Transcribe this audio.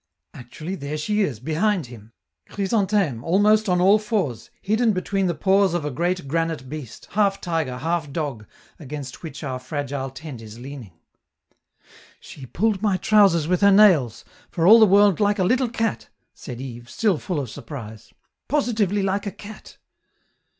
Actually, there she is, behind him; Chrysantheme, almost on all fours, hidden between the paws of a great granite beast, half tiger, half dog, against which our fragile tent is leaning. "She pulled my trousers with her nails, for all the world like a little cat," said Yves, still full of surprise, "positively like a cat!"